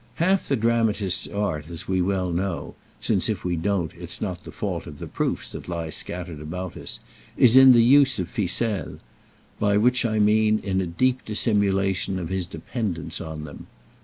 Half the dramatist's art, as we well know—since if we don't it's not the fault of the proofs that lie scattered about us—is in the use of ficelles; by which I mean in a deep dissimulation of his dependence on them.